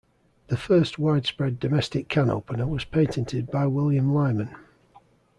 The first widespread domestic can opener was patented by William Lyman.